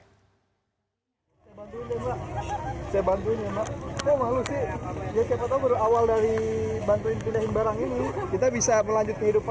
saya bantuin ya pak saya bantuin ya pak